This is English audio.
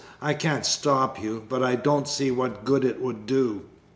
I can't stop you. But I don't see what good it would do."